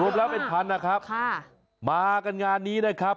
แล้วเป็นพันนะครับค่ะมากันงานนี้นะครับ